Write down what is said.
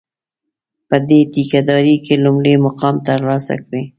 په دې ټېکه داري کې لومړی مقام ترلاسه کړي.